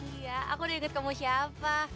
iya aku udah ikut kamu siapa